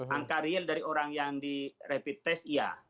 angka real dari orang yang direpit tes iya